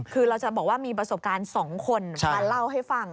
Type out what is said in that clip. คือเราจะบอกว่ามีประสบการณ์๒คนมาเล่าให้ฟัง